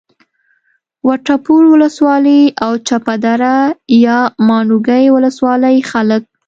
وټپور ولسوالي او چپه دره یا ماڼوګي ولسوالۍ خلک